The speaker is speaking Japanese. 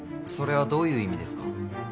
それはどういう意味ですか？